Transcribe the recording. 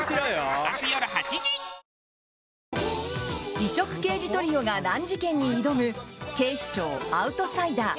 異色刑事トリオが難事件に挑む「警視庁アウトサイダー」。